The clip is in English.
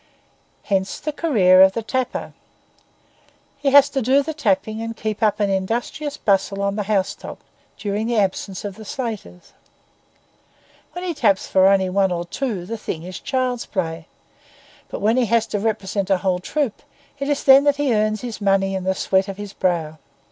Hence the career of the tapper. He has to do the tapping and keep up an industrious bustle on the housetop during the absence of the slaters. When he taps for only one or two the thing is child's play, but when he has to represent a whole troop, it is then that he earns his money in the sweat of his brow.